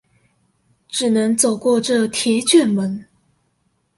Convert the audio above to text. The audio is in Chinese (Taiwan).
只能走過這鐵捲門